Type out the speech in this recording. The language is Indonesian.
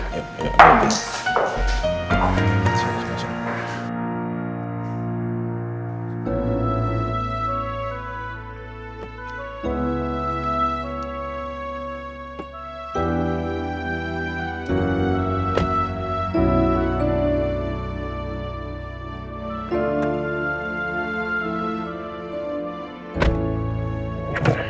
kamu ingat siapa vk meja